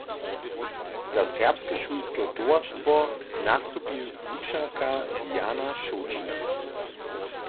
Za Serbske šulske towarstwo nastupi wučerka Diana Šołćina.